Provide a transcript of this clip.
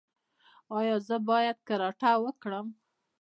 ایا زه باید کراټه وکړم؟